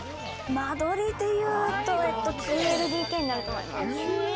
間取りで言うと９ＬＤＫになると思います。